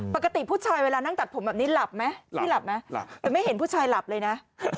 ปกติผู้ชายเวลานั่งตัดผมแบบนี้หลับไหมพี่หลับไหมหลับแต่ไม่เห็นผู้ชายหลับเลยนะ